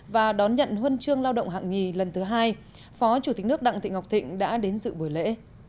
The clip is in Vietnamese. và đón nhận huân chương lao động hạng nhì lần thứ hai phó chủ tịch nước đặng thị ngọc thịnh đã đến dự buổi lễ